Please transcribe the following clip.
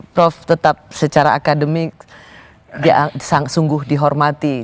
prof tetap secara akademik sungguh dihormati